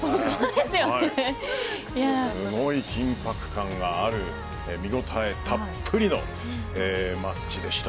すごい緊迫感がある見応えたっぷりのマッチでした。